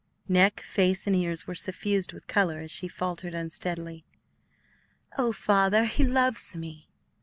Neck, face, and ears were suffused with color as she faltered unsteadily, "Oh, Father, he loves me."